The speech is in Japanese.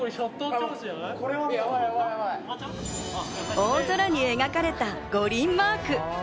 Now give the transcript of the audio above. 大空に描かれた五輪マーク。